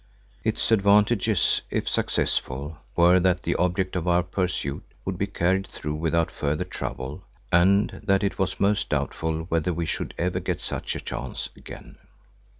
Its advantages, if successful, were that the object of our pursuit would be carried through without further trouble and that it was most doubtful whether we should ever get such a chance again.